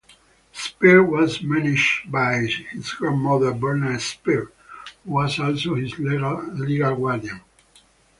Spear was managed by his grandmother Bertha Spear, who was also his legal guardian.